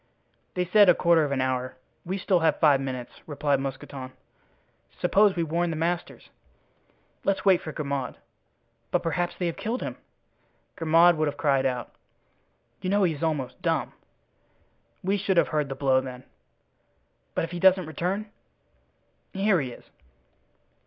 "They said a quarter of an hour. We still have five minutes," replied Mousqueton. "Suppose we warn the masters." "Let's wait for Grimaud." "But perhaps they have killed him." "Grimaud would have cried out." "You know he is almost dumb." "We should have heard the blow, then." "But if he doesn't return?" "Here he is."